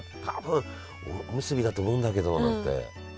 多分おむすびだと思うんだけど」なんて。